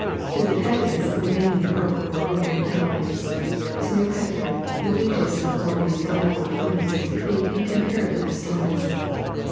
His antagonists were mainly rook or rook and knight players, Signor Préti, the weakest of Morphy's blindfold opponents, being incomparably the strongest.